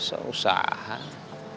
ini harus ngapain ya